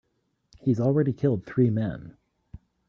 He's already killed three men.